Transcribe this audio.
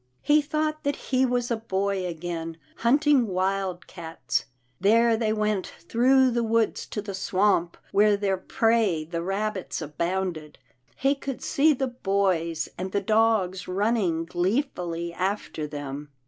He thought that he was a boy again, hunting wildcats. There they went through the woods to the swamp where their prey the rabbits abounded. He could see the boys and the dogs running glee fully after them.